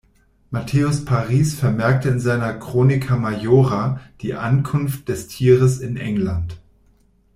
Matthäus Paris vermerkte in seiner "Chronica majora" die Ankunft des Tieres in England.